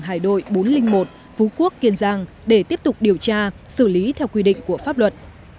hải đội bốn trăm linh một phú quốc kiên giang để tiếp tục điều tra xử lý theo quy định của pháp luật